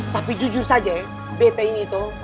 tapi jujur saja betta ini toh